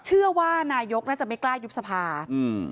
เชื่อว่านายกน่าจะไม่กล้ายุบสภาอืม